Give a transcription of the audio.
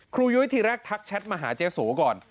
ยุ้ยทีแรกทักแชทมาหาเจ๊โสก่อน